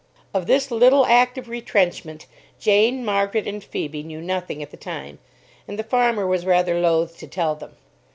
Of this little act of retrenchment, Jane, Margaret, and Phoebe knew nothing at the time, and the farmer was rather loathe to tell them.